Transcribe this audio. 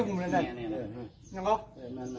มีสังเกตนะ